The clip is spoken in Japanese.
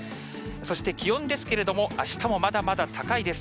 そして気温ですけれども、あしたもまだまだ高いです。